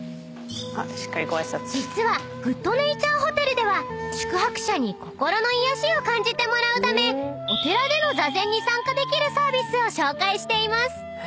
［実はＧＯＯＤＮＡＴＵＲＥＨＯＴＥＬでは宿泊者に心の癒やしを感じてもらうためお寺での坐禅に参加できるサービスを紹介しています］